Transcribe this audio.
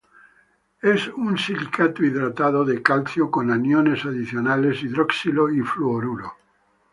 Es un silicato hidratado de calcio con aniones adicionales hidroxilo y fluoruro.